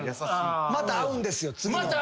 また会うんですよ。